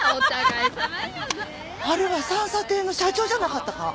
あれはさんさ亭の社長じゃなかったか？